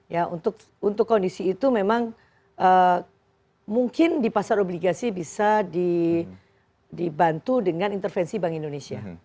ya untuk kondisi itu memang mungkin di pasar obligasi bisa dibantu dengan intervensi bank indonesia